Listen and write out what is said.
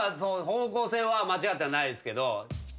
方向性は間違ってはないですけど。